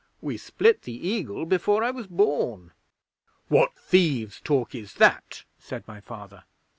"We split the Eagle before I was born." '"What thieves' talk is that?" said my Father.